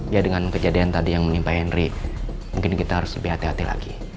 ya dengan kejadian tadi yang menimpa henry mungkin kita harus lebih hati hati lagi